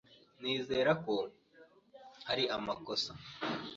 Nizera ko hari amakosa.